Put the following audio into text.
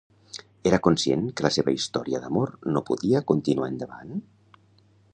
Era conscient que la seva història d'amor no podia continuar endavant?